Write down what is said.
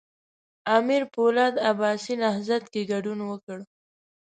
امیر پولاد عباسي نهضت کې ګډون وکړ.